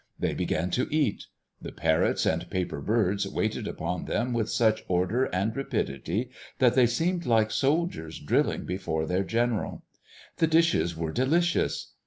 They began to eat. The parrots and paper birds waited upon them with such order and rapidity that they seemed like soldiers drilling before their general. The dishes were delicious.